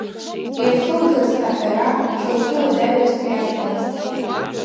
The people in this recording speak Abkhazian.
Илхылгаз аҳәара шылцәуадаҩыз ҩашьомызт.